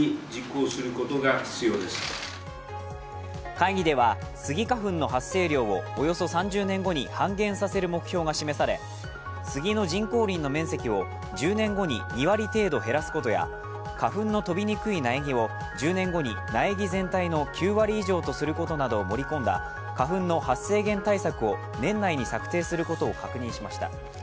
会議ではスギ花粉の発生量をおよそ３０年後に半減させる目標が示され、スギの人工林の面積を１０年後に２割程度減らすことや花粉の飛びにくい苗木を１０年後に苗木全体の９割以上とすることなどを盛り込んだ、花粉の発生源対策を年内に策定することを確認しました。